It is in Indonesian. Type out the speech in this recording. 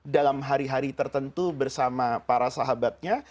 dalam hari hari tertentu bersama para sahabatnya